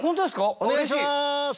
お願いします！